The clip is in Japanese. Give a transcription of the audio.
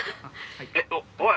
えっおい！